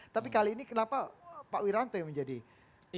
tapi kali ini kenapa pak wiranto yang menjadi